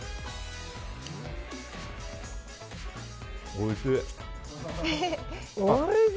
おいしい。